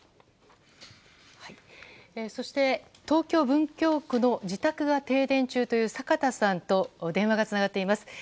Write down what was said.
そして、東京・文京区の自宅が停電中というサカタさんと電話がつながっています。